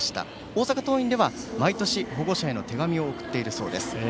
大阪桐蔭では、毎年保護者への手紙を送っているそうです。